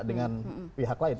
dengan pihak lain